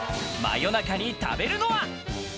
夜中に食べるのは。